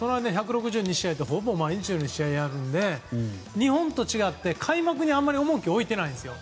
１６２試合ほぼ毎日のように試合があるので日本と違って開幕に、あんまり重きを置いてないんですよ。